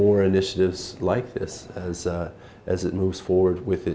rất hài hòa